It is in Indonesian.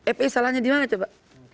epi salahnya di mana coba